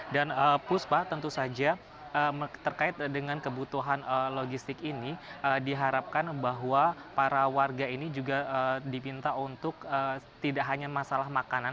dan puspa tentu saja terkait dengan kebutuhan logistik ini diharapkan bahwa para warga ini juga diminta untuk tidak hanya masalah makanan